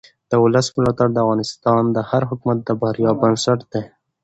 د ولس ملاتړ د افغانستان د هر حکومت د بریا بنسټ دی